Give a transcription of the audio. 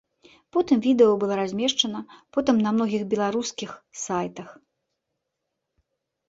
Потым відэа было размешчана потым на многіх беларускіх сайтах.